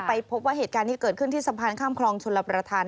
พบว่าเหตุการณ์ที่เกิดขึ้นที่สะพานข้ามคลองชลประธาน